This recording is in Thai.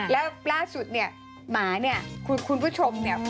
แล้วล่าสุดเนี่ยหมาเนี่ยคุณผู้ชมเนี่ย